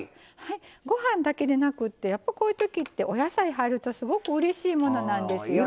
ご飯だけでなくってやっぱこういうときってお野菜入るとすごくうれしいものなんですよね。